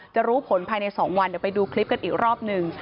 จะรู้ผลภายใน๒วันเดี๋ยวไปดูคลิปกันอีกรอบหนึ่ง